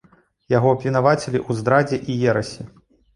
Яго абвінавацілі ў здрадзе і ерасі.